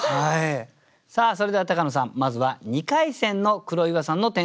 さあそれでは高野さんまずは２回戦の黒岩さんの点数の発表